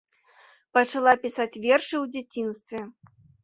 Пачала пісаць вершы ў дзяцінстве.